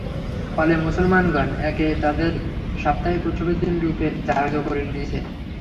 ফলে মুসলমানগণ একে তাদের সাপ্তাহিক উৎসবের দিন রূপে ধার্য করে নিয়েছে।